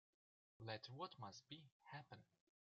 Let what must be, happen.